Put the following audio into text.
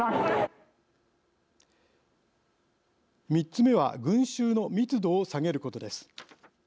３つ目は群集の密度を下げることです。